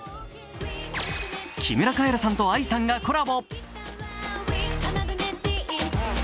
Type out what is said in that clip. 木村カエラさんとＡＩさんがコラボ。